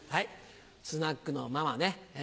スナックのママね。